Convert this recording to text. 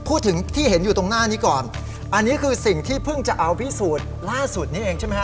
พูดถึงที่เห็นอยู่ตรงหน้านี้ก่อนอันนี้คือสิ่งที่เพิ่งจะเอาพิสูจน์ล่าสุดนี้เองใช่ไหมฮ